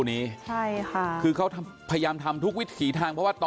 ก่อนที่จะก่อเหตุนี้นะฮะไปดูนะฮะสิ่งที่เขาได้ทิ้งเอาไว้นะครับ